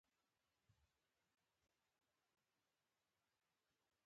سهار د رڼا په لور سفر دی.